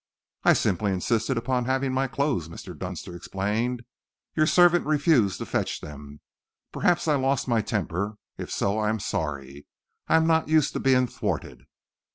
"I simply insisted upon having my clothes," Mr. Dunster explained. "Your servant refused to fetch them. Perhaps I lost my temper. If so, I am sorry. I am not used to being thwarted."